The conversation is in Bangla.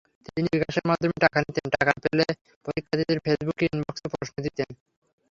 তিনি বিকাশের মাধ্যমে টাকা নিতেন, টাকা পেলে পরীক্ষার্থীদের ফেসবুকের ইনবক্সে প্রশ্ন দিতেন।